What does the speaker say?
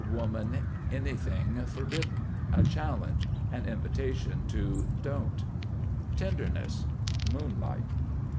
Woman. Anything forbidden. A challenge. An invitation to don't. TENDERNESS. Moonlight.